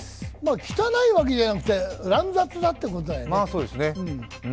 汚いわけじゃなくて乱雑だってことだよね。